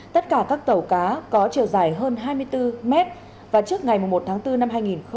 tất cả các tàu cá có chiều dài hơn hai mươi bốn mét và trước ngày một tháng bốn năm hai nghìn hai mươi